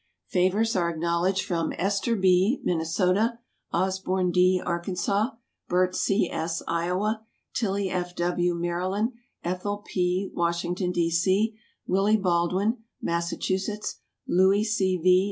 Favors are acknowledged from Esther B., Minnesota; Osborn D., Arkansas; Bert C. S., Iowa; Tillie F. W., Maryland; Ethel P., Washington, D. C.; Willie Baldwin, Massachusetts; Louis C. V.